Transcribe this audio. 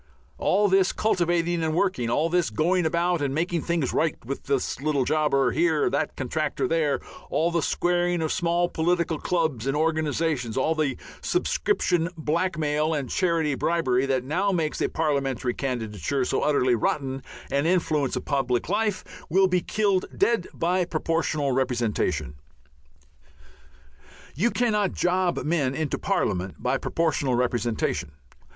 All this cultivating and working, all this going about and making things right with this little jobber here, that contractor there, all the squaring of small political clubs and organizations, all the subscription blackmail and charity bribery, that now makes a Parliamentary candidature so utterly rotten an influence upon public life, will be killed dead by Proportional Representation. You cannot job men into Parliament by Proportional Representation.